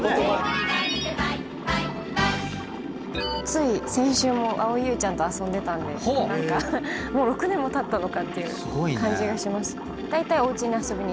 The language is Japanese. つい先週も蒼井優ちゃんと遊んでたんでもう６年もたったのかっていう感じがします。